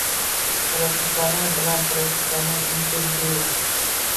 Professional bilan professional intervyu